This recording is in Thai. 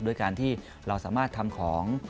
ด้วยการที่เราสามารถทำของ